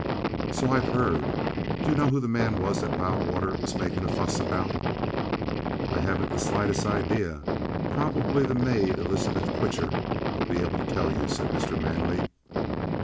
"So I've heard. Do you know who the man was that Loudwater was making a fuss about?" "I haven't the slightest idea. Probably the maid, Elizabeth Twitcher, will be able to tell you," said Mr. Manley.